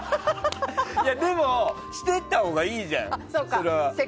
でも、していったほうがいいじゃん。